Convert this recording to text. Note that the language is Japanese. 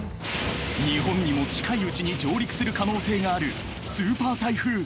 ［日本にも近いうちに上陸する可能性があるスーパー台風］